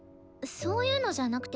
そういうのじゃなくて。